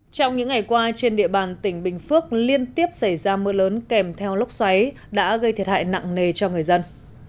trong những ngày qua trên địa bàn tỉnh bình phước liên tiếp xảy ra mưa lớn kèm theo lốc xoáy đã gây thiệt hại nặng nề cho người dân